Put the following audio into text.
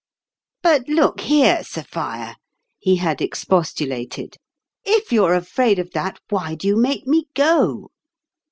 " But look here, Sophia," he had expostu lated ; "if you're afraid of that, why do you make me go?"